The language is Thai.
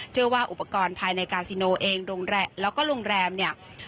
เจอว่าอุปกรณ์ภายในกาซิโนเองโรงแรมเนี่ย